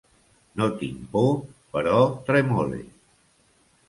No tinc por, però tremole.